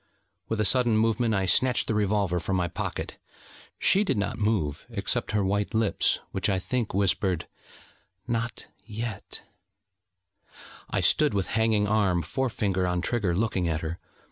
With a sudden movement I snatched the revolver from my pocket: she did not move, except her white lips, which, I think, whispered: 'Not yet....' I stood with hanging arm, forefinger on trigger, looking at her.